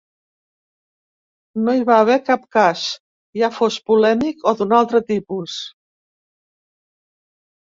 No hi va haver cap "cas", ja fos polèmic o d'un altre tipus.